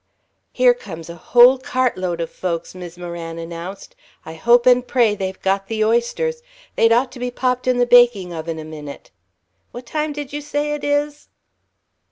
"Here comes a whole cartload of folks," Mis' Moran announced. "I hope and pray they've got the oysters they'd ought to be popped in the baking oven a minute. What time did you say it is?"